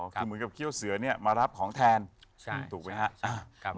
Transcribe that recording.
คือเหมือนกับเขี้ยวเสือเนี่ยมารับของแทนถูกไหมครับ